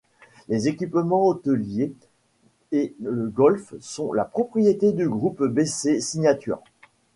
Les équipements hôteliers et le golf sont la propriété du groupe Bessé Signature.